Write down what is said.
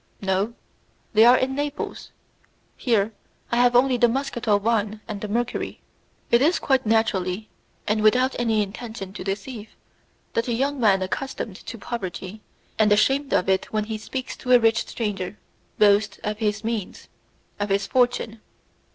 "No, they are in Naples. Here I have only the muscatel wine and the mercury." It is quite naturally and without any intention to deceive, that a young man accustomed to poverty, and ashamed of it when he speaks to a rich stranger, boasts of his means of his fortune.